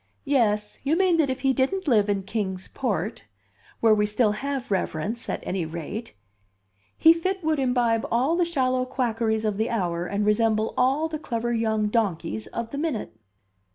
"Yes, you mean that if he didn't live in Kings Port (where we still have reverence, at any rate), he fit would imbibe all the shallow quackeries of the hour and resemble all the clever young donkeys of the minute."